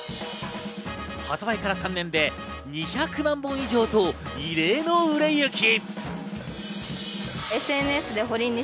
発売から３年で２００万本以上と異例の売れ行き。